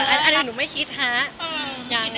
อันนี้หนูไม่คิดฮะ